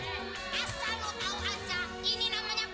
ini namanya fitnah